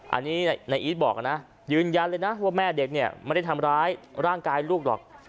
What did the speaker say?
อันนี้นายอีทบอกนะยืนยันเลยนะว่าแม่เด็กเนี่ยไม่ได้ทำร้ายร่างกายลูกหรอก